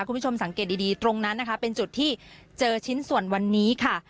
คุณผู้ชมสังเกตดีตรงนั้นนะคะเป็นจุดที่เจอชิ้นส่วนวันนี้ค่ะ